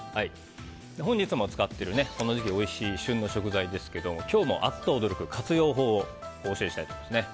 本日も使っているこの時期おいしい旬の食材ですけど今日もアッと驚く活用法をお教えしたいと思います。